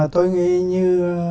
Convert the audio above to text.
tôi nghĩ như